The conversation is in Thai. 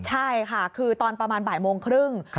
ใช่ค่ะคือตอนประมาณบ่าย๓๐ปี